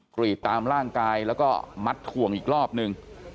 กรีดตามร่างกายแล้วก็มัดถ่วงอีกรอบนึง